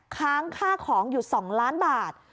ค้างค่าของอยู่๒ล้านบาท